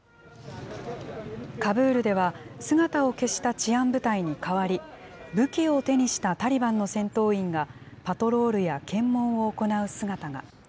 カブールでは、姿を消した治安部隊に代わり、武器を手にしたタリバンの戦闘員が、パトロールや検問を行う姿が。